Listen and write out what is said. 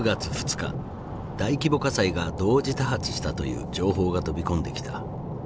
日大規模火災が同時多発したという情報が飛び込んできた。